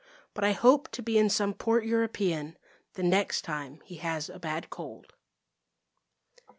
But I hope to be in some port European The next time he has a bad cold.